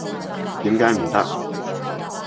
點解唔得？